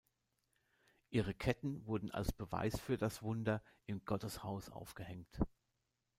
Ihre Ketten wurden als Beweis für das Wunder im Gotteshaus aufgehängt.